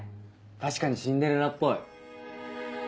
確かにシンデレラっぽい。